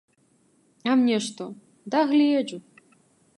А мне што, дагледжу.